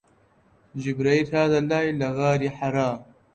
جیبریل هاتە لای لە غاری حەرا